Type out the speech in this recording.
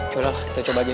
yaudah lah kita coba aja